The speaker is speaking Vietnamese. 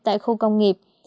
tại khu công nghiệp